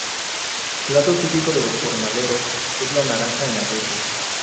Plato típico de los jornaleros es la "naranja en aceite".